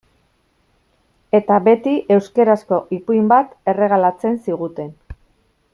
Eta, beti, euskarazko ipuin bat erregalatzen ziguten.